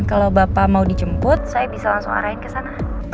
kalau bapak mau dijemput saya bisa langsung arahin ke sana